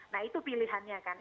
nah itu pilihannya kan